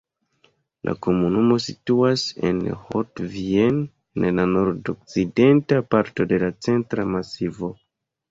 La komunumo situas en Haute-Vienne, en la nordokcidenta parto de la Centra Masivo.